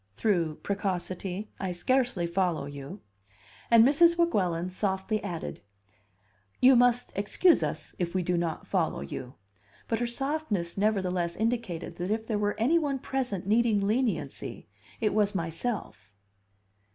"Through precocity? I scarcely follow you." And Mrs. Weguelin softly added, "You must excuse us if we do not follow you." But her softness nevertheless indicated that if there were any one present needing leniency, it was myself.